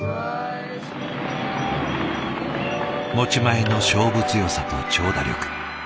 持ち前の勝負強さと長打力。